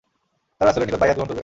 তারা রাসূলের নিকট বাইয়াত গ্রহণ করবে।